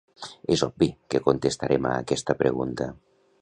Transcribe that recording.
És obvi el que contestarem a aquesta pregunta.